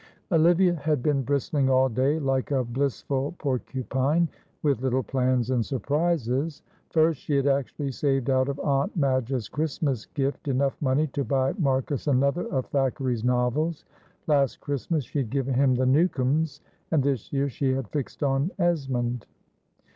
Olivia had been bristling all day, like a blissful porcupine, with little plans and surprises: first, she had actually saved out of Aunt Madge's Christmas gift enough money to buy Marcus another of Thackeray's novels; last Christmas she had given him The Newcomes, and this year she had fixed on Esmond.